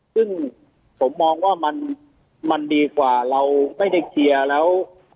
ซึ่งผมมองว่ามันดีกว่าเราไม่ได้เคลียร์แล้ว